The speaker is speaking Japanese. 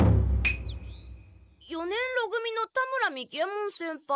四年ろ組の田村三木ヱ門先輩。